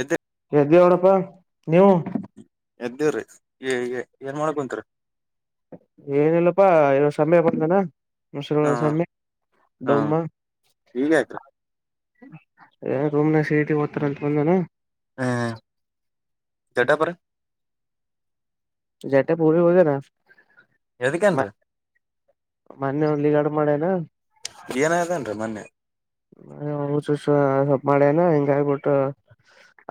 ಎದ್ದೆ. ಎದ್ದಿವಿ ನೋಡಪ್ಪಾ ನೀವು. ಎದ್ದೇವ್ರೀ ಎನ್ ಏನ್ ಮಾಡಕತ್ರಿ. ಏನಿಲ್ಲಪ್ಪಾ ಇ ಸಮಯ ಬಂದನಾ. ಎಷ್ಟು, ಹ ವರ್ಷ, ಅಲ್ಲಿ, ಹಾ ಡ್ಯಾಮ್ಮ? ಈಗ ಯಾಕ್ರಿ [unintelligible] ಏ, ರೂಮ್ನಾಗೆ, ಸೈಟ್ನಾಗ ಬರ್ತೀನಿ ಅಂತ ಹೇಳೋರ. [inaudible] ಹ್ಮ್, ದೊಡ್ಡಪ್ಪರೂ? [inaudible] ಜೆಟ್ಟಪ್ಪ, ಊರಿಗೆ, ಹೋಗ್ಯರ? [inaudible] ಏದುಕ್ಕೆನ್ರೀ? [inaudible] ಮೊನ್ನೆ ಹೋಗಿ ನೀವ್ ಏನ್ ಮಾಡಿದ್ದು? [inaudible] ಏನ ಅದನ್ರಿ ಮೊನ್ನೆ ಮಾಡಿ, ಮಾಡಿ, ಸೂಸು, ಮಾಡಿ ಹಣ ಇಂಗೆ ಆಗ್ಬಿಟ್. [unintelligible]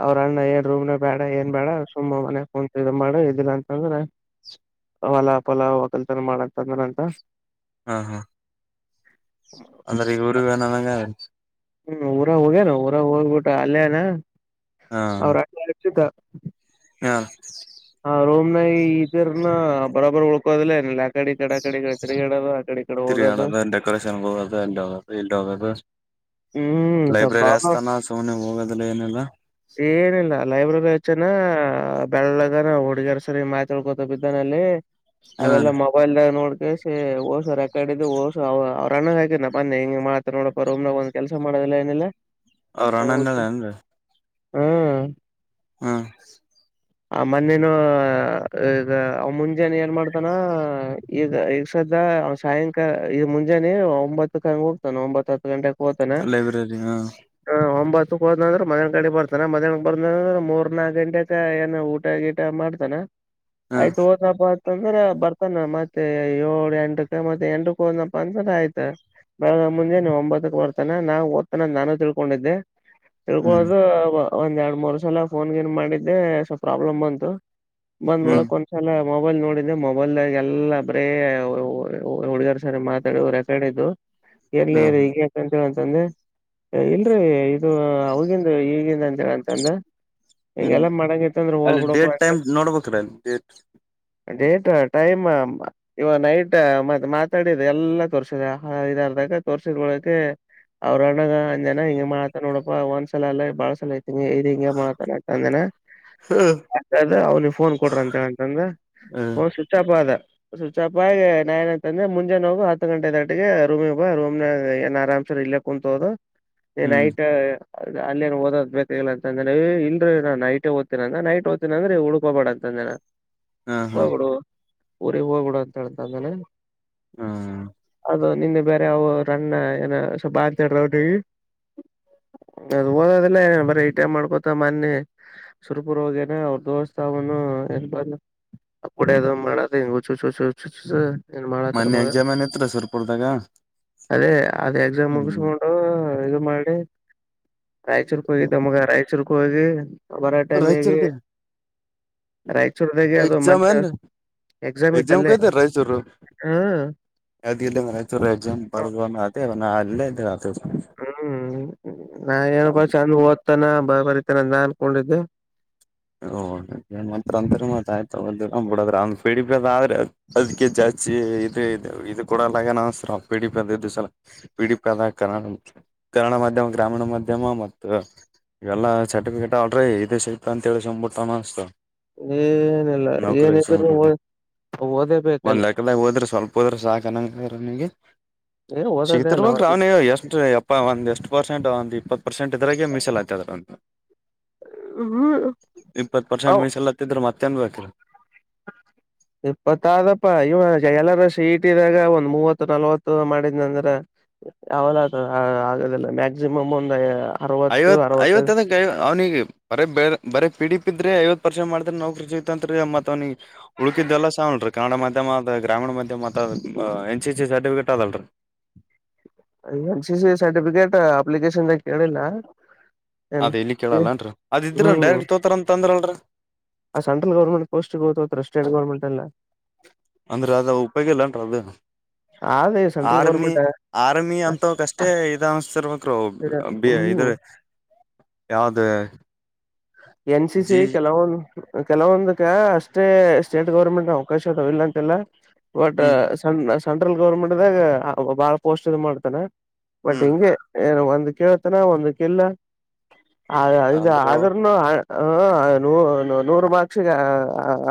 ಅವ್ರ ಅಣ್ಣ ಏನೂ, ರೂಮ್ ನ್ಯಾಗ, ಬೇಡ ಏನ್ ಬೇಡ ಸುಮ್ಮ್ ಮನೆ ಕುಂತು, ಮಾಡಿ, ಇದಿಲ್ಲ ಅಂತಂದ್ರ. [inaudible] ಹೊಲ ಪಲ ಹಕಲ್ತರ ಮಾಡಕ್ ಅಂದ್ರ ಅಂತ. [inaudible] ಹಾ, ಹಾ! [inaudible] ಆಮೇಲೆ ಇವರು ಅಣ್ಣ ನನಗೆ. [inaudible] ಹ್ಮ್ ಊರ ಹೋಗ್ಯನ ಊರಾಗ ಹೋಗ್ಬಿಟ್ಟೆ ಅಲ್ಲೇ ಅವ್ನೆ, ಅವರ ಅಕ್ಕ, ಅರುಚೂಥ.. [inaudible] ಹಾ! [unintelligible] ಹಾ, ರೂಮ್ಯನ, ಇದರ್ನ, ಬರಾಬ್ರ್, ಉಳ್ಕೋದಿಲ್ಲ, ಏನ್ನಿಲ್ಲ! [inaudible] ಆ ಕಡೆ ಇ! ಕಡೆ ಆ ಕಡೆ? ಇ, ಕಡೆ, ತಿರುಗಾಡದು ಆ, ಕಡೆ, ಇ, ಕಡೆ, ಹೋಗೋದು. [inaudible] ಕಲೆಕ್ಷನ್ ಹೋಗೋದು ಅಲ್ಲಿ, ಹೋಗೋದು, ಇಲ್ಲಿ, ಹೋಗೋದು? [inaudible] ಹ್ಮ್ ಸೊ ಲೈಬ್ರರಿ ಪ್ರಾಬ್ಲಮ್ ಹಸ್ತಾನ ಸುಮ್ನೆ ಹೋಗದಿಲ್ಲ ಏನಿಲ್ಲ? [unintelligible] ಏನಿಲ್ಲ, ಲೈಬ್ರರಿ, ಹಚ್ಚನಾ! ಬೆಳ್ಳಗನ ಹುಡ್ಗಿಯರ್ ಸ, ರಿ ಮಾತಾಳ್ಕೋತ, ಬಿದ್ದಾನಲ್ಲಿ. [inaudible] ಹ ಅವೆಲ್ಲ, ಮೋ? [inaudible] ಅಲ್ಲಿ, ಏನೂ, ನೋಡುತ್ತಿ, ಸರಿ, ಓದಿಸು, ರೆಕಾರ್ಡಿದ್ರೆ ಓದ್ಸು, ಆವಾ, ಅವರನ್ನ ಬಂದು, ಇತರ, ಮಾತಾಡ್ ನೋಡಪ್ಪ ಆತರ ರೂಮ್ನಾಗ್ ಬಂದ್! [inaudible] ಕೆಲಸ ಮಾಡೋದಿಲ್ಲ ಏನಿಲ್ಲ? [inaudible] ಅವರನ್ನ ಇದ್ದನ ಏನ್ರೀ? [inaudible] ಹೌದು! [inaudible] ಹಾ! [unintelligible] ಆಮೇಲೆ, ನೀನು ಈಗ, ಮುಂದೆ! ಏನ್, ಮಾಡ್ತಾನೆ? [unintelligible] ಈಗ ಈಗ ಸದ ಸಾಯಂಕಾಲ ಈಗ ಮುಂಜಾನೆ ಒಂಬತ್ತಕ, ಹೋಗ್ತಾನ, ಒಂಬತ್ತತ್ತು, ಗಂಟೆಗೆ ‌. [inaudible] ಏನಾ? [unintelligible] ಲೈಬ್ರರಿ ಹಾ ಹ, ಒಂಬತ್ತು, ಹೋದ್ರು, ಅಂದ್ರ ಮದುವೆ, ಕಡ್ಡೆ, ಹೋಗಿ ಬರ್ತಾನೆ, ಬರ್ತಾನ ಮ್ಯಾನ್ ಬಂದಂದ್ರ, ಮೂರ್, ನಾಲಕ್ಕು, ಗಂಟೆಗೆ, ಏನ್ ಊಟ ಗೀಟ. [inaudible] ಊಟ, ಮಾಡಿ, ಧ್ಯಾನ, ಹಾ ಆಯ್ತು, ಹೋಗು? [inaudible] ಕೋಪ ಆಯ್ತು ಅಂದ್ರೆ ಬರ್ತಾನೆ? ಮತ್ತೆ ಇವ್ಳು ಹೆಂಡ್ರು, ಹೆಂಡ್ರು, ಪಂಜರೈ, ಆಯ್ತು. [inaudible] ಬೆಳಿಗ್ಗೆ, ಮುಂಜಾನೆ, ಒಂಬತ್ತಕ್ಕೆ, ಬರುತ್ತಾನೆ? ನಾನು, ಓದುತ್ತಾನೆ, ಅಂತ ನಾನು ತಿಳ್ಕೊಂಡೆ, ಹ್ಮ್ ತಿಳ್ಕೊಳ್ಳೋದು? [inaudible] ಒಂದ್, ಎರಡು, ಮೂರು, ಸಲ, ಫೋನ್, ಗೀನ್ ಮಾಡಿದ್ದೆ! ಸ್ವಲ್ಪ, ಪ್ರಾಬ್ಲಮ್ ಬಂತು ಬಂದ್, ಹ್ಮ್ ನೋಡಿಕೊಂಡು? [inaudible] ಅಚ್ಚುವಲ್ಲಿ, ಮೊಬೈಲ್ ನೋಡಿದ್ದೆ! ಮೊಬೈಲ್ದಾಗ ಎಲ್ಲಾ ಬರೇ ಹುಡುಗರ್, ಸರಿ ಮಾತಾಡೋ ರೆಕಾರ್ಡಿಂಗ್ ಇತ್ತು. [inaudible] [inaudible] [unintelligible] ಎಲ್ಲಿ ಈಗಾಯೇನು? [inaudible] ಇವಾಗ್ಲೂ ರಜಾನ, ಇಲ್ರಿ, ಇದು, ಹೌದೇನು, ಇವಾಗ, ಏನು, ರಾಜನಂತಾನ! [inaudible] ಹ್ಮ್ ಈಗೆಲ್ಲ, ಮಾಡಬಹುದಾದಂದ್ರೆ! ಅಲ್ಲಿ ಹೋಗ್ಬಿಡಪ್ಪ, ಡೇಟ್ ಟೈಮ್ ಯಾಕಂದ್ರೆ? ನೋಡ್ಬೇಕ್ರ ಅಲ್ಲಿ ಡೇಟ್ [inaudible] ಡೇಟ್, ಅಲ್ಲ, ಟೈಮು. [inaudible] ಇಲ್ಲ ನೈಟ್ ಮತ್ತು, ಮಾತಾಡಿದ್ದೆಲ್ಲ ತೋರಿಸಿದ್ದೆ, ಇದಕ್ಕೆ, ಅರ್ಧ, ತೋರಿಸಿದೊಳಗೆ? [inaudible] ಮತ್ತೆ, ಅವ್ರ, ಅನ್ನ, ಅಂದಾನ! ಈಗ ಮಾಡಿದರೆ ನೋಡಪ್ಪ, ಒಂದು, ಸಲ, ಅಲ್ಲ, ಬಳಸಲ, ಹೇಳುತ್ಹಿನಿ. [inaudible] ಹಿಂಗೆ, ಮಾಡಕನ, ಅಂದಾನ? [inaudible] ಅಂತಾನ, ಅವ್ನಿಗೆ ಫೋನ್ ಕೊಟ್ರು, ಅಂತನಾ! ಹ್ಮ್ ಫೋನ್, ಸ್ವಿಚ್, ಆಫ್ ಆಗದ? [inaudible] ಸ್ವಿಚ್ ಆಫ್ ಆಗಿ ನಾನೇನ್ ಅಂತ ಅಂದೆ? ಮುಂದೆ ಹೋಗು ಹತ್ತು, ಗಂಟೆಗೆ, ದಟ್ಟಿಗೆ, ರೂಮ್ಗೆ, ಬಾ. [inaudible] ಆರಂಸೆ, ಇಲ್ಲೇ ಕುಂತೋಗೋದು, ಅದೇ, ಹ್ಮ್ ನೈಟು. [inaudible] ಆನ್ಲೈನ್ ಓದಬೇಕಾಗಿಲ್ಲ ಹೇ, ಇಲ್ರೀ, ನಾನು, ನೈಟ್ ಓದ್ತೀನಿ ಅಂದ, ಇಲ್ಲಾಂದ್ರೆ ಉರ್ಕೋಬೇಡ, ಅಂತ ಅಂದೆ ನಾನು. ಹಾ [inaudible] ಹಾ ಹೋಗ್ಬಿಡು ಊರಿಗ್ ಹೋಗ್ಬಿಡು ಅಂತ ಹಳ್ತೀದ್ದಾನೆ. ಆಮೇಲೆ- ಹ್ಮ [inaudible] ಅದು ನಿನ್ನೆ ಬೇರೆ ಅವ ರಣ್ಣ ಏನ ಸ್ವಲ್ಪ [unintelligible] ಬ ಅಂತ ಹೇಳ್ರ ಅವ್ರ ಅದು ಓದಿಲ್ಲಾ ಏ ಬರೆಇ ಟೆ ಮಾಡ್ಕೊತ ಮನ್ನಿ ಸುರಪುರೋಗಿನಿ ಅವ್ರ ದೋಸ್ಚವನ್ನು ಆ ಕೂಡ್ ಮಾಡದ ಹೆಂಗ ಹು ಚು ಚುು ಹು ಚುುಸ [unintelligible] ಮೊನ್ನೇ ಎಕ್ಸಾಮ ಏನ್ ಇತ್ತ ಸುರ್ಪುರ್ದಾಗ ಅದೇ ಅದ ಎಕ್ಸಾಮ್ ಹ್ಮ್ ಮುಗಿಸಕೊಂಡು ಈದ ಮಾಡಿ ರಾಯಚೂರ್ಕ ಹೋಗಿದ್ದಮಗ ರಾಯಚೂರ್ಕ ಹೋಗಿ ಬರ ಟೈಮಿಗೆ ರಾಯಚೂರ್ದ ರಾಯಚೂರ್ದಾಗೆ ಅದು ಎಕ್ಸಾಮ್ ಮತ್ತೆ ಏನ್ ಎಕ್ಸಾಮ್ ಕೊಗಿದ್ದೆರಾಯಚೂರ ಹಾ ಅದ ಇಲ್ಲ ರಾಯಚುರ್ ಅದೇ ಅಲ ಅಲ್ಲೇ [unintelligible] ಹ್ಮ್ ನಾ ಏನಪ್ಪ ಚಂದ ಓದ್ತಾನ ಬಾಳ ಬರಿತಾನ ಅಂತ್ ನಾ ಅನ್ಕೊಂಡಿದ್ದೆ [unintelligible] ಓಂತ ಮತ್ತ್ ಆಯ್ತ ಬಿಡ್ರ್ ಡಿ ಅದ ಆದ್ರೆ [unintelligible] ಅದಕ್ಕೆ ಜಾಸ್ತಿ ಇ ಇ ಇದು ಕೂಡ ಲಗ ನ ಸ ಪಿಡಿ ಪ ಅಂದ ಸಲ [unintelligible] ಪಿಡಿಪಿ ಆದ ಕನ್ನಡ ಕನ್ನಡ ಮಾಧ್ಯಮ, ಗ್ರಾಮೀಣ ಮಾಧ್ಯಮ ಮತ್ತು ಎಲ್ಲಾ ಚಟಕ ಗಟ ಅಲ್ರಿ ಇದು ಸಿಗ್ತ ಅಂತೇಳಿಬಿಟ್ಟ ಅನ್ತ [unintelligible] ಏನಿಲ್ಲ ಏನಿದ್ರು ಓದೇಬೇಕಲ್ಲಿ ಹೋದ್ರ ಸ್ವಲ್ಪ ಹೋದ್ರ ಸಾಕ್ನಂಗನಿಗೆ ಏ ಓದೋದೇ ಅಲ್ಲ ಸಿಗ್ತಿರ್ಬಕ್ ರಾವ್ನ ಎಷ್ಟ ಆ ಒಂದ ಎಷ್ಟು ಪರ್ಸೆಂಟ್ ಒಂದ ಇಪ್ಪತ್ತು ಪರ್ಸೆಂಟ್ ಇದ್ರಾಗ ಮೀಸಲಾತಿ ಆದ ನಂದು ಹ್ಮ್ [inaudible] ಇಪ್ಪತ್ ಪರ್ಸೆಂಟ್ ಮೀಸಲಾತಿದ್ರ ಮತ್ತೆ ಎನ್ ಬೇಕ್ರಿ. ಇಪ್ಪತ್ತ ಆದಪ್ಪಾ ಇವ ಎಲ್ಲಾರ ಸಿಇಟಿದಾಗ ಒಂದ್ ಮೂವತ್ತು, ನಲ್ವತ್ತು ಮಾಡಿದ ಅಂದ್ರ ಯವಲ ಆದ ಆಗದೆಲ್ಲ ಮ್ಯಾಕ್ಸಿಮಮ್ ಒಂದು ಐವತ್ತು ಐವತ್ತ [unintelligible] ಅವ್ನಿಗೆ ಬರೆ ಪಿ, ಡಿ, ಪಿಇದ್ರೆ ಐವತ್ ಪರ್ಸೆಂಟ್ ಮಾಡಿದ್ರೆ ನೌಕರಿ ಸಿಗತಂತ್ ಮತ್ತತ್ ಅವನಿಗೆ- ಉಳಕಿದ್ದೆಲ್ಲ ಸ ಆವಲ್ರಿ ಕನ್ನಡ ಮಾಧ್ಯಮ ಅ ಗ್ರಾಮೀಣ ಮಾಧ್ಯಮ ಅ ಎನ್, ಸಿ, ಸಿ ಸರ್ಟಿಫಿಕೇಟ್ ಅದಲ್ರಿ. ಎನ್, ಸಿ, ಸಿ ಸರ್ಟಿಫಿಕೇಟ್ ಅಪ್ಲಿಕೇಶನ್ದಾಗ ಕೇಳಿಲ್ಲ. ಏನ್ ಅದ್ ಇಲ್ಲಿ ಕೇಳಲ್ಲನ್ರಿಅದ ಇದ್ರ ಹ್ಮ್ ಡೈರೆಕ್ಟ್ ತೋಗತಾರ ಅಂತ ಅಂದ್ರಲ್ರಿ. ಆ ಸೆಂಟ್ರಲ್ ಗೌರ್ಮಂಟ್ ಪೊಸ್ಟ್ ಗೋತ್ಂತ್ರಿ ಸ್ಟೆಟ್ ಗೌರ್ಮೆಟ್ ಅಲ್ಲ ಅಂದ್ರ ಅದ ಉಪಯೋಗಿಲ್ಲನ್ರಿ ಅದು ಹದ [unintelligible] ಆರ್ಮಿ, ಆರ್ಮಿ ಅಂತವಕಷ್ಟೇ ಇದ ಅನ್ತಿರ್ಬೇಕರಿ ಇದ್ರ ಹ್ಮ್ [unintelligible] ಯಾವ್ದ ಎನ್ ಸಿ ಸಿ ಜಿ ಕೆಲವೊಂದು ಕೆಲವೊಂದಕ್ಕ ಅಷ್ಟೇ ಸ್ಟೇಟ್ ಗೌರ್ಮೆಂಟ್ ಅವಕಾಶ ಅದಾವ ಇಲ್ಲ ಅಂತಿಲ್ಲ ಒಟ್ ಹ್ಮ್ ಸ ಸೆಂಟ್ರಲ್ ಗೌರ್ಮೆಂಟ್ದಾಗ ಬಾಳ ಪೋಸ್ಟ್ ಇಧ್ ಮಾಡ್ತಾನ ಬಟ್ ಹ್ಮ್ ಹಿಂಗೆ ಏನು ಒಂದ ಕೇಳತನ ಒಂದಕಿಲ್ಲ ಅ ಆ ದು ಅಂದ್ರ ಆದ್ರ [unintelligible] ಹೂ ನೂರು ಬಾಕ್ಷಿಗೆ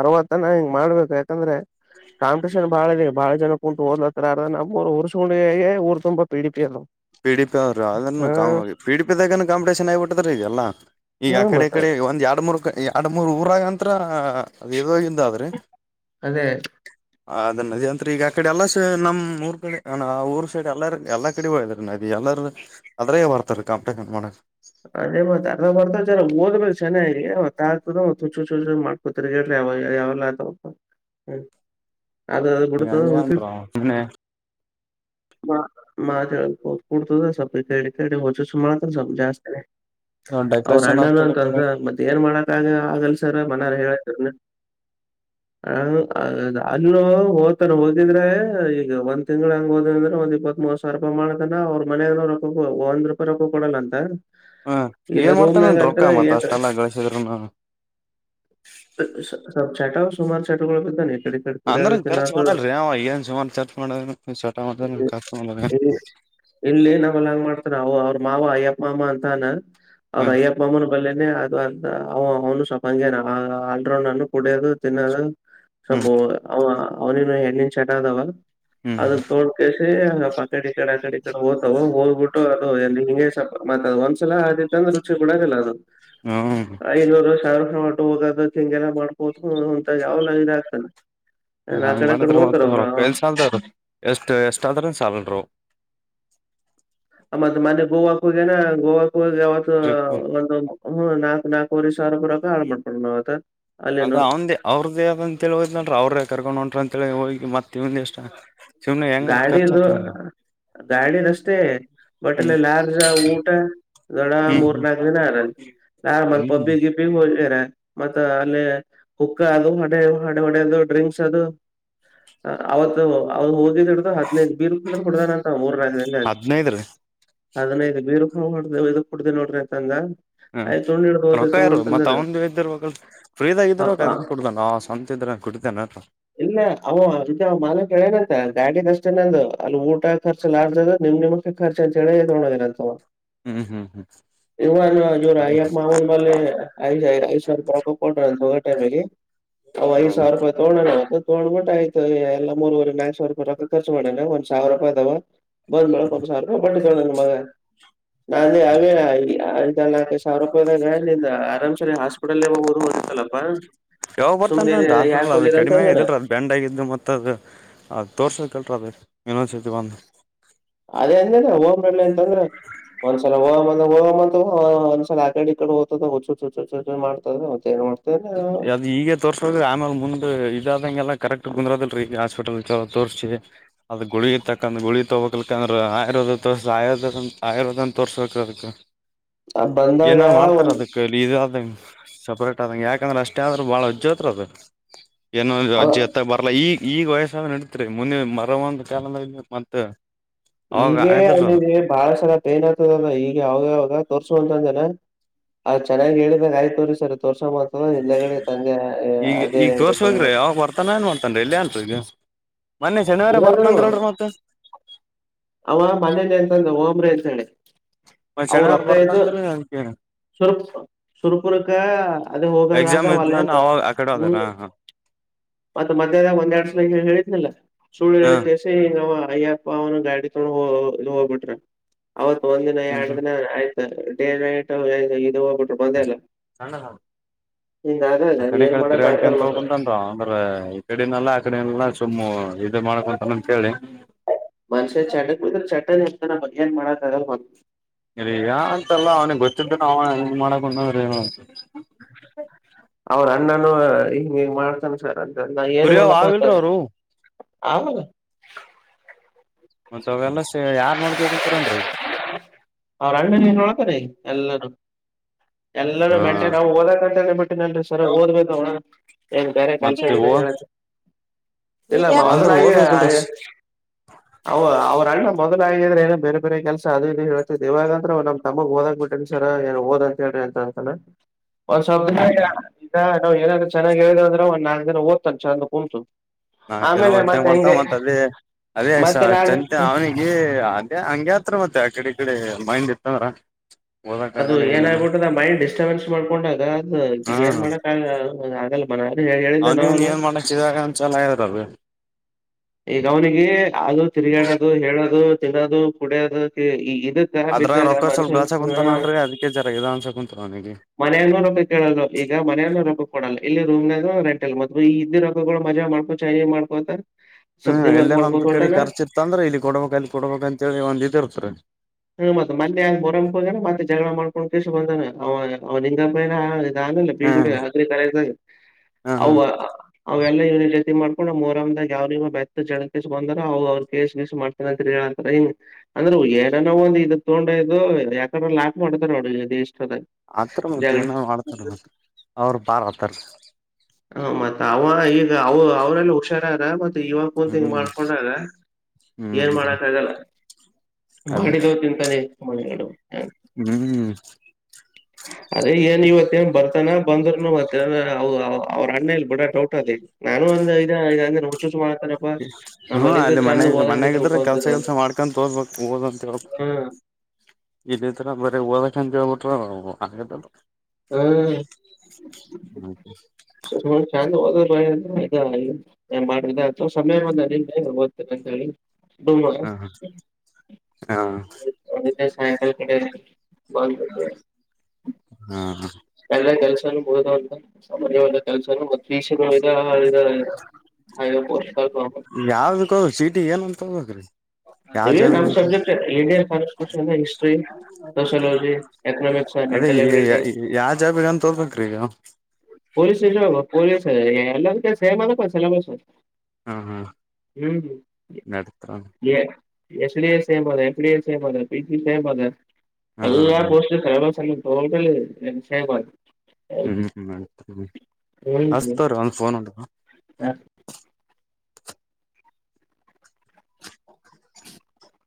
ಅರವತ್ತನ ಹಿಂಗ್ ಮಾಡ್ಬೇಕು ಯಾಕಂದ್ರೆ [unintelligible] ಕಾಂಪಿಟೇಷನ್ ಬಾಳ ಇದೆ ಬಾಳ ಜನ ಕುಂತು ಓದತರ ನಮವ್ರು ಉರ್ಕ್ ಊರು ತುಂಬಾ ಪಿಡಿ ಪಿ ಅಲ್ರ [unintelligible] ಪಿ, ಡಿ, ಪಿ ಅದ್ರಿ ಅದನು ಕ ಪಿ, ಡಿ, ಪಿದಾಗನು ಕಾಂಪಿಟೇಷನ್ ಆಗಿಬಿಟ್ಟಿದ್ರೀ ಈಗೆಲ್ಲ ಈಗ ಹಾ ಆ ಕಡೆ ಮತ್ತ ಈಡೆ ಒಂದ ಎರಡು ಮೂರು, ಎರಡು ಮೂರು ಊರಾಗಂತ್ರ ಅದ ಎಾಗಿಿಂದ ಆದ್ರೆ [inaudible] ಅದೇ ಹ ಅದ ನದಿ ಅಂತರ ಈಗ ಆ ಕಡೆ ಎಲ್ಲಾ ಸ ನಮ್ ಊರ್ ಕಡೆ ಹಣ ಆ ಊರ್ ಸೈಡ್ ಎಲ್ಲ ಎಲ್ಲ ಕಡೆ ಹೋಗದ್ನರಿ. ಅದು ಎಲ್ಲರ ಅದ್ರಗೆ ಬರ್ತಾರೆ ಕಾಂಪಿಟೇಷನ್ ಮಾಡಕ. ಅದೇ ಮತ್ತತ್ ಅರ್ದ [inaudible] ಚೆನ್ನಾಗಿ. [unintelligible] [unintelligible] ಯಾವಲ್ಲತ. ಅದ [unintelligible] [inaudible] ಹ [unintelligible] [inaudible] ಅವ್ರ ಡೆಕೋರೇಷನ್ ಆ ಅಣ್ಣನ ಕಡೆ ಈ ಅಂತಂದ ಕಡೆ ಮತ್ತ ಏನ್ ಮಾಡಕಾಗ ಆಗಲ್ಸರ್ ಮನಾರ ಹೇಳತರ್. ಹಾ ಹ ಅಲ್ಲ ಹಓ್ತಾನ ಹೋಗಿದ್ರೆ ಈಗ ಒಂದ್ ತಿಂಗ್ಳ ಹಂಗ ಹೋದ ಅಂದ್ರೆ ಒಂದ್ ಇಪ್ಪತ್ತ್ರ್. ಸ್ವರ್ಪ ಮಾಡತನ ಅವ್ರ ಮನ ರೊಕ್ಕ ಒಂದ್ೂಪಿ ರೊಕ್ಕ ಕೊಡಲ್ಲ ಅಂತ. ಹ್ಮ ಇಲ್ಲ ಏನ್ ಮಾಡ್ತಾನ ರೂಮ್ನಾಗ ನನ್ ಅಂತ್ರ ರೊಕ್ಕ ಮತ್ತತ್ ಏನ್ ಅಷ್ಟೆಲ್ಲ ಗಳಸಿದ್ರುನು. ಚಟ ಸುಮು ಚಟಗಳಗಳು ಬಗ್್ದಾನತರಿ. ಅಂದ್ರನ್ ಚರ್ಚ್ ಮಾಡಲ್ೀ ಅವ ಏನ್ ಸುಮಾರು ಚರ್ಚ್ ಮಾಡ [unintelligible] ಇಲ್ಲಲ್ಲಿ ಏನ ಅವಲ್ಲಂಗ ಮಾಡ್ತಾರ ಅವವು ಅವ್ರ ಮಾವ ಅಯ್ಯಪ್ಪ ಮಾ ಅಮ್ಮ ಅಂತಾನ. ಅವ್ರ ಹ್ಮ್ ಅಯ್ಯಪ್ಪ ಅಮ್ಮನ ಬಲ್ಲೇನೆ ಅದು. ಅವನು ಸ್ವಲ್ಪ ಹಂಗೇ ಆಲ್ರೌಂಡ್ ಅನ್ನು ಕುಡಿಯೋದು ತಿನ್ನೋದು ಸ್ವಲ್ಪ. ಹ್ಮ್ ಅವ ಅವ್ನಿನ್ ಹೆಣ್ಣನ್ ಚಟ್ದವ ಅದ ಹ್ಮ್ ತೋಡ್ಕಸಿ. ಕಡಿ ಕಡ ಕಡಿ ಕಡೆ ಓ್ತವ ಓದ್ಬಿಟ್ಟು ಅದು ಎಲ್ಲಿ ಹಿಂ [inaudible] ಒಂದ್ಸಲ ಆದ. ವೃಕ್ಷ ಗೂಡಾಗಲ್ಲ ಅದು. ಹ್ಮ್ ಐನೂರುಷಾವಿರ ಹೊಟ್ಟು ಹೋಗೋದ ಹಿಂಗೆಲ್ಲ ಮಾಡ್ಕೋದು ಹೊಂತ [unintelligible] ಯಾವಲ್ಲ ಇದ ಆಗ್ತಾನ. ಹ ಹಂಗ್ ಮನಿದ್ರ ಮ ಎಲ್ ಸಾಲದ ಎಷ್ಟ್ ಎಷ್ಟ ಆದ್ರ ಸಲ್ರು. ಮತ್ ಮನೆೆ ಗೋವಾಕ್ಕ ಹೋಗ್ಯನಾ ಗೋವಾಕ್ಕ ಹೋಗಿ ಯಾವತ್ತು ಟ್ರಿಪ್ ಒಂದು. ಹ್ಮ್ ನಾಕಕ್ ನಾಕವರೆ ಸಾವರುರಕ ಹಾಳ ಮಾಡ್ಕೊಂಡ ನಾವ್ತ್ತ. ಅದ ಅವಂದೇ ಅವ್ರದ್ದೇ ಅದ ಅಂತ ಹೇಳಿೋದ್ ನಡ್ರ ಅವ್ರೇ ಕರ್ಕೊಂಡ್ ಹೊಂಟ್ರ ಅಂತೇಳಿ ಹೋಗಿ ಮತ್ತ ಇವಂದ ಎಷ್ಟ. ಸುಮ್ನೆ ಹೆಂಗ್ ಗಾಡಿದು ಖರ್ಚಾತವಲ್ಲ ಗಾಡಿ ರಷ್ಟೇ. ಬಟ್ಟಲ್ಲಿ ಹ್ಮ್ ಲಾರ್ಜ ಊಟ ದಡ ಹ್ಮ್ ಮೂರ್ ನಾಕ ದಿನ ಆರ ಲ್ ಹ್ಮ್ ಮ ಹ್ಮ್ ಪಬ್ಬಿ ಗಿ. ಫಿಲ್ಮ್ ಹೋದಾರೆ ಮತ್ತ ಅಲ್ಲಿ. ಕುಕ್ಕಾ ಅದು ಹಡೆ ಹೊಡೆ ಅದು ಡ್ರಿಂಕ್ಸ್ ಅದು ಅವತ್ತು. [unintelligible] ಡ ಹದಿನೈದು ಬೀರ್ ಕುಡಾನ ಅಂತ ಮೂರ್ನಕ್ ದಿಂದಾಗಾ. ಹದ್ನೈದ ರೀ ಅದ್ಐ ಬೇ ಇದಕ್ ಕುಡ್ದ ನೋಡ್ರಿತಂಗ. ಹ್ಮ ರೊಕ್ಕ ಯಾರು ಮತ್ತತ್ ಅವ್ನ್ ಭ ಇದ್ದರುೋಬೇಕಲ್ರಿ. ಫ್ರೀದಾಗ ಇದ್ರಾಗ ಅದಕ್ಕೆ ಕುಡ್ದ ನ ಆ ಸಂತ ಇದ್ರ ಕುಡತೇನ. ಇಲ್ಲ ಅವ ಅಜ ಮಾನಗಳು ಏನತ್ತ. ಗಾಡಿ ಅಷ್ಟೇನೆಂದ ಅಲ್ಲಿ ಊಟ ಖರ್ಚ ಲಾರ್ಜ ಅದ ನಿಮ್ ನಿಮಮ್ಮಕ್ಕೆ ಖರ್ಚ ಅಂತ ಹೇಳಿ ತಗೋದಿ ಅಂತವವಾ. ಹ್ಮ್ ಹ್ಮ್ ಹ್ಮ್ ಇವ ನೋ ಎವರ್ ಅಯಪ್ಮಮವನ್. ಆ ಐ ಐದ ಸಾವಿರ ರೂಪಾಯಿ ಕೊ್ರ ಅಂತ ಹೋಗೋ ಟೈಮಿಗೆ ಅವ ಐದ ಸಾವಿರ ರೂಪಾಯಿ. ತೋಂಡನ ತಗ್ಬಿಟ್ಟ ಆಯತ ಎಲ್ಲ ಮೂವರೆ ನಾಕ್ಸವಾರ. ರೊಕ್ಕ ರ್ಚು ಮಾಡೇನೆ ಒಂದ್ಾವಿರ ರೂಪಾಯ್ದಾವ. ಬಂದ ಮಳ ಕೊಂ ಸಾವಿ ಬಟ್ ಕಣ ಮಗ ನಾ ಅ ಅವ. [unintelligible] ಸಾವಿರ ರೂಪಾಯಿದಾಗ ನಿ ಆರಾಮ್ ಸರಿ ಹಾಸ್ಪಿಟಲ್ ಓ್ ಓದಿತ್ತಲಲ್ಪ್ಪಾ. ಯಾವಾಗ ಸುಮ್ನೆಿ ಬರ್ತಾನ ಯಾಕ ಹಾಸ್ಪಿಟಲ್ ಅದು ಹುದಿರ ಅಂತ ಕಡಿಮೆ ಅಂದನ. ಆಗಿದಿಲ್ರ ಅದು ಬೆಂಡ್ ಆಗಿದ್ದು ಮತ್ತುತ್ತ ಅದು ಅದು ತೋರ್ಸೋದ ಕಲ್ರ ಅದ ಇನೊನ್ಸತಿ ಬಂದು. ಅದೇ ಅಂಡ್ಯಾಲ್ಲೆ ಹಓಬಡ್ಲೇ ಅಂತಂದ್ರ. ಒಂದ್ಸಲ [unintelligible] ಒಂದ್ಸಲ ಆ ಕಡೆಡಿ [inaudible] ಮಾಡ್ತದ ಮ ಏನ್ ಮಾಡ್ತ. ಅ ಈಗ. ತೋರ್ಸೋ್ ಆಮೇಲೆ ಮುಂದೆ ಇದಾದಂಗೆಲ್ಲ ಕರೆಕ್ಟ್ ಕುಂದ್ರೋದಲ್ರಿ ಈಗ ಹಾಸ್ಪಿಟಲ್ ಚ ತೋರ್ಸಿ. ಅದ ಗುಳಿ ತಕಂದ ಗುಳಿ ತಗೋಕ್ಲಕ ಅಂದ್ರ ಆಯುರ್ವೇದ ತೋರ್ ಆಯುರ್ವೇದ ಆಯುರ್ವೇದನ್ ತೋರ್ಸ್ಬೇಕ ಅದಕ್ ಬಂದಾಗ ಏನಾದ್ರು ಮಾಡ್ತಾರ ಅದಕ್ಕಲ್ಲಿ ಇದಾದಂಗ ಸಪ್ರೇಟ್ ಆದಂಗ ಯಾಕ ಯಾಕಂದ್ರೆ ಅಷ್ಟೇ ಆದ್ರ ಬ ಭಾಳ ಅಜ್ಜ ಹತ್ರ ಅದ ಏನಂದ ಒಂದ್ ಅಜ್ಜ ಹತ್ರ ಮತ್ತ ಬರ್ಲಾ ಈಗ ಈಗ ವಯಸ್ಸ ನಡತ್ರಿ ಮುಂದೆ ಮರ ಒಂದ್ ಕಾಲ ಮತ್ತತ್ ಈಗೇ ಅಲ್ಲಿ ಬಾಳ ಸಲ ಫೇಲ್ ಆತದಲ್ಲ ಈಗ ಅವಾಗ ಅವಾಗ ತೋರ್ಸುವ ಅಂತಂದನ ಅ ಚೆನ್ನಾಗಿ ಹೇಳಿದ ಆಯ್ತ ತೋರಿಸ ಸರ್ ತೋರ್ಸ ಮ್ತದ ಹಿಂದಗಡೆ ತಂದೆ ಅದೇ ತೆ ಮನ ಏನ್ ಮಾಡ್ತನ ಇಲ್ಲಿ ಅಂತ್ ಈಗ ಮೊನೇ ಶನಿವಾರ ಬರ್ತನ ಊರಾಗನು ಅಂದ್ರಲ್ರಿ ಮತ್ತ ಅವಾ ಮನೇಲಿ ಎಂತಂದ ಒಬ್ರ ಅಂತ ಹೇಳಿ ನಾ ಶನಿವಾರ ಬರ್ತ ಅಂದ್ರೆ ಅಕ ಸುರ್ಕ್ ಸುರ್ಪುರಕ ಅದೇ ಎಕ್ಸಾಮ್ ಹೋಗದ ವಲ್ಲ ಇದ್ನೇನ್ ಅಂತ ಅವಾಗ ಆಕಡೆ ಹ್ಮ್ ಹೋದಾರ ಹಾ ಮತ್ತ ಮಧ್ಯಾಹದ ಒಂದೆರಡು ಸಲ ಹೇಳಿದನಲ್ಲ ಸುಳ್ಳು ಹಾ ಹೇಳಕ್ಕೆಷ್ಟ ನ ಅಯ್ಯಪ ಅವನು ಗಾಡಿ ತೋಗೋಂಡ ಹೋಗಿಬಿಟ್ರ [unintelligible] ಅವತ್ ಒಂದ್ ದಿನ ಹ್ಮ್ ಎರಡ್ ಹ್ಮ್ ದಿನ ಆಯ್ತು ಡೇ ನೈಟ್ ಇದು ಹೋಗ್ಬಟ್ಟ ಬಂದೇ ಇಲ್ಲ ಹಿಂಗ ಆಗದ ಏನ್ ಮಾಡಕ ಆಗದ ಅಂದ್ರೆ ಈ ಕಡಿನಲ್ಲಾ ಆ ಕಡೆೆಲ್ಲ ಸುಮ್ಮು ಇದು ಮಾಡಕೋಂತಾನ ಅಂತೇಳಿ ಮನುಷ್ಯ ಚಟಕ ಬಿದ್ರ ಚೆಟಾನ್ ಹತಾನ ಬಿ ಯನ್ ಮಾಡಕ ಆಗಲ್ಲ ಅರಿ ಯಾಗ ಅಂತಲ್ಲ ಅವ್ನಿಗೆ ಗೊತ್ತಿದ್ದ ಅವ ಮಾಡಕೊಂಡಂದ್ರ ಏನು ಅವ್ರ ಅಣ್ಣನು ಹಿಂಗ ಮಾಡ್ತಾನ ಸರ್ ಅಂದ ಸರ್ ನಾ ಏನ ಕುರಿಯವ್ ಮಾಡಪ್ಪ ಆವಿಲ್ರಿ ಅತನೆ ಅವ್ರು ಆಗುದ ಒಂತ್ಸವಾಗಲ್ಲ ಯಾರ್ ನೋಡ್ಕಬೇಕ ಅಂತಾರೇನ್ರರಿ ಅವ್ರ ಅನ್ನನೇ ನೋಳ್ತಾನ ಎಲ್ಲರ ಎಲ್ಲರೂ ಹಾ ಮೆಂಟೈನ್ ನಾವು ಓದಕ ಅಂತ ಬಿಟ್ಟನ ಸರ್ ಓದ್ಬೇಕ ಅವನ ಏನ್ ಬೇರೆ ಮತ್ತೆ ಕಲ್ಸಗ ಓ ಹೇಳ ಇಲ್ಲಮ್ಮ ಅಂದ್ರ ಮೊದ್ಲಾಗಿ ಓದಬೇಕಲ್ರಿ ಆಗತಿ ಅವ ಅವ್ರ ಅಣ್ಣ ಮೊದಲ ಆಗಿದ್ರೆ ಏನನು ಬೇರೆ ಬೇರೆ ಕೆಲಸ ಅದು ಇದು ಹೇಳ ಯ ಇವಾಗ ಅಂದ್ರ ಅವ ನಮ್ಮ ತಮ್ಮಗ ಓದಾಗ್ ಬಿಟ್ರನ್ ಸರ್ ಏನ್ ಓದ್ ಅಂತ ಹೇಳ್ರಿ ಅಂತ ಅಂತಾನಾ ಒಂದ್ ಸ್ವ ಇದ ನಾವ್ ಏನಾದ್ರರು ಚೆನ್ನಾಗ ಹೇಳ್ದ ಅಂದ್ರ ಒಂದ ನಾಕ್ ದಿನ ಓದುತ್ತಾನ ಚಂದ ಕುಂತು ನಾಲ್ಕ್ ದಿನ ಆಮೇಲೆ ಓದ್ದಂಗ ಮತ್ತೆ ಮಾಡ್ತಾವ ಹೆಂಗೆ ಮತ್ತ ಅದೇ ಅದೇ ಮತ್ತೆ ನಾಲ್ಕ್ ಚಂತೆ ಅವನಿಗೆ ಅದೆ ಹಂಗೆತ್ರ ಮತ್ತೆ ಅ ಕಡೆ ಇಕಡೆ ಮಂದಿ ಇತ ಅದ್ರ ಅದು ಏನ ಆಗಬಿಟ್ಟದ ಆ ಮೈಂಡ್ ಡಿಸ್ಟರ್ಬೆನ್ಸ್ ಮಾಡ್ಕೊಂಡಾಗ ಅದು ಹ್ಮ ಏನ್ ಮಾಡಕ್ ಆಗಲ [unintelligible] ಅವನಿಗ ಏನ್ ಮಾಡಿದಾಗ ಚಲೋ ಆದಲ್ ಬಿ [unintelligible] ಈಗ ಅವನಿಗೆ ಅದು ತಿರುಗಾಡದು ಹೇಳೋದು ತಿನ್ನೋದು ಕುಡಿಯೋದು ಇದ ಅದ್ರ ರೊಕ್ಕ ಸ್ವಲ್ಪ ಗಳಸ ಕುಂತಾನ ಅಲ್ರೀ ಅದಕ್ಕೆ ಜರಾ ಇದ ಅನ್ಸ ಕುಂತ ಅವನಿಗಿ ಈಗ ಮನೆಯಾಗನ್ನು ರೊಕ್ಕ ಕೇಳಲ್ಲ ಈಗ ಮನೆಯನ್ನೋ ರೊಕ್ಕ ಕೊಡಲ್ಲ ಇ ರೂಮ್ ರೆಂಟ್ ಇಲ ಮತ್ ಈ ಇದ್ದ ರೊಕ್ಕಗಳು ಮಜಾ ಮಾಡಕೋಂತ ಚೈನಿ ಮಾಡ್ಕೋತಾ [unintelligible] ಹ್ಮ್ ಎಲ್ಲಾರ ಒಂದ್ ಕಡೆ ಖರ್ಚ ಇರ್ತ ಅಂದ್ರ ಇ ಕೊಡಬೇಕ ಅಲ್ಲಿ ಕೊಡಬೇಕ್ ಅಂತೇಳಿ ಒಂದ್ ಇದ ಇರ್ತ್ರಿ ಹ್ಮ ಮತ್ತ ಮೊನ್ನೆ ಮೊಹರಂಮಕ್ ಹೋಗನ ಮತ್ತೆ ಜಗಳ ಮಾಡ್ಕೊಂಡ್ ಕೆಸಿ ಬಂದಾನ ಅವ ಅವ್ ನಿಂಗಪ್ಪನ ನಾನಲ್ಲ ಬಗಡ ಹ್ಮ್ ಆದ್ರೆ ಕರೆಂಟ್ ಹ್ಮ್ ಹ್ಮ್ ಅವೆಲ್ಲ ಇನ್ ಜತಿ ಮಾಡ್ ಕ ಮೋರಮದಾಗ ಯಾವ್ರಗ ಬೆತ್ತ ಜಡ್ ಕೇಸ್ ಬಂದಾರ ಅವ್ರರು ಕೇಸ್ ಗೀಸ್ ಮಾಡ್ತೇನಂತ ಹೇಳಂತಾರ ಹಿ ಅಂದ್ರೆ ಏನನ ಒಂದ ಇದ ತಗೊಂಡ ಇದು ಯಾಕಡ್ರ ಲಾಕ್ ಮಾಡ್ತಾರ ಅವಷ್ಟದ ಹಾಕ್ತಾರ ಮತ್ತ ಏನ ಮಾಡಡ್ತಾರ ಅವರು ಬಾರ್ ಆತಾರ ಹ ಮತ್ತ ಅವ ಈಗ ಅವ ಅವ್ರಲ್ಲ ಹುಷಾರಾದಾ ಮತ್ ಯುವ ಕುಂತ ಹಿಂಗ್ ಹ್ಮ್ ಮಾಡ್ಕೊಂಡಾಗ ಏನ್ ಹ್ಮ್ ಮಾಡಕ್ ಆಗಲ್ಲ ಅದೇ ಮಾಡಿದ ಅವ ತಿಂತಾನೇ ಮನೆಗಡು ಹ್ಮ್ ಅದೇ ಏನ್ ಇವತ್ತೇ ಏನ್ ಬರ್ತಾನ ಬಂದ್ರನು ಮತ್ತ ಅವ್ರ ಅಣ್ಣ ಇಲ್ ಬಿಡದ್ ಡೌಟಾದ್ ಈಗ ನಾನು ಒಂದ ಇದ ಅಂದ್ರ ಹುಚ್ಚ್ ಹುಚ್ಚ್ ಮಾಡ್ತನೆಪ್ಪ ಹ್ಮ್ ಅಲ್ಲಿ ಮನಾಗ ಮನ್ಯಾಗಿದ್ರ್ ಕೆಲ್ಸ ಅಂತದ ಗಿಲ್ಸ ಮಾಡ್ಕೊಂಡು ಓದ್ಬೇಕು ಓದಂತ ಹೇಳಬೇಕ್ ಹ್ಮ ಇದೆ ತರ ಬರೆ ಓದಕ ಅಂತ ಕೇಳ್ಬಿಟ್ರ ಹಾಗಲ್ಲ ಅದು ಹ್ಮ್ [unintelligible] ಚೆಂದ ಓದು ಏನ್ ಮಾಡ್ರಿದೆ ಆಯ್ತೊ ಸಮಯ ಒಂದ ನಿನ್ನೆ ಹೊತ್ತಿನಿ ಅಂತ ಹೇಳಿ ಬಂದ್ ಹ ಹ ಅದಕ್ಕೆ ಸಾಯಂಕಲ್ ಕಡೆ ಬಂದಿದ್ ಹಾ ಎಲ್ಲ ಕೆಲ್ಸನು ಮುಗದವಂತ್ ಸಾಮಾನ್ಯವಾದ ಕೆಲ್ಸನು ಮತ್ತ್ ಶಶ ಸ್ವಲ್ಪ [unintelligible] ಯಾವ್ದುಕು ಸಿಟಿ ಏನ್ ಅಂತ ತೊಂಮದ್ರೀ [unintelligible] ಇದೆ ನಮ್ಮ್ subject Indian forest question history sociology ಅದೇ ಯಾವ ಜಾಬಿಗಂತ ಹೊಬೇಕ್ರಿ ಈಗ ಪೊಲೀಸ್ಟೇಷನಲ್ಲಿ ಪೊಲೀಸ್ ಎಲ್ಲದಕೇನ ಸೇಮದಪ್ಪಾ ಸೆಲೆಬಸ್ ಹಾ ಹಾ ಹ್ಮ್ ನಡತ್ರ ಎ ಎಸ್ ಡಿ ಎ ಸೇಮ ಅದ್ ಎ ಫಡಿ ಎ ಸೇಮ ಅದ್ ಪಿಸಿ ಸೇಮ್ ಅದ್ ಹಾ ಎಲ್ಲಾ ಹ್ಮ್ ಕೋರ್ಸ್ ಸೆಲಬಸನು ಟೋಟಲಿ ಸೇಮದ್ ಹ್ಮ್ ನಡಿತದ್- [unintelligible] ಹ್ಮ ಹ [inaudible]